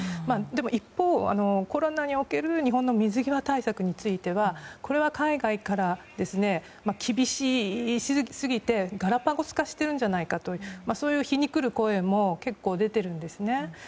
でも一方、コロナにおける日本の水際対策についてはこれは海外から厳しすぎてガラパゴス化しているんじゃないかとそういう皮肉る声も結構、出ているんですね。